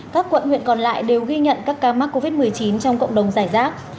các quận huyện còn lại đều ghi nhận các ca mắc covid một mươi chín trong cộng đồng giải rác